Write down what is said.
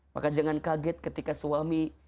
maka jangan kaget ketika suami